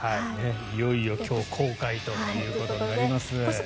いよいよ今日公開ということになります。